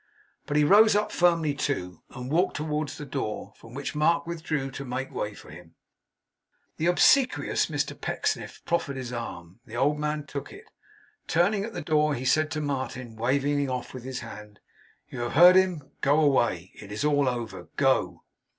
But he rose up firmly too, and walked towards the door, from which Mark withdrew to make way for him. The obsequious Mr Pecksniff proffered his arm. The old man took it. Turning at the door, he said to Martin, waving him off with his hand, 'You have heard him. Go away. It is all over. Go!